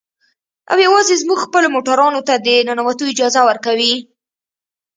او يوازې زموږ خپلو موټرانو ته د ننوتو اجازه ورکوي.